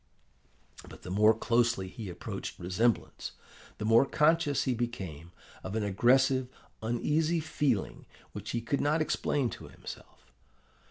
"But the more closely he approached resemblance, the more conscious he became of an aggressive, uneasy feeling which he could not explain to himself.